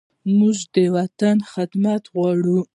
موږ د وطن خدمت غواړو.